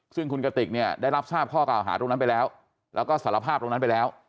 ซึ่งคุณกติกเนี่ยได้รับทราบข้อเก่าหาตรงนั้นไปแล้วแล้วก็สารภาพตรงนั้นไปแล้ว